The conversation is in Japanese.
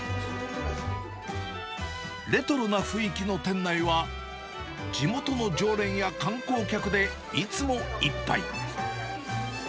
レトロな雰囲気の店内は、地元の常連や観光客でいつもいっぱい。